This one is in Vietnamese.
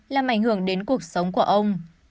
làm ảnh hưởng đến cuộc sống của ông